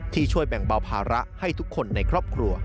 ช่วยแบ่งเบาภาระให้ทุกคนในครอบครัว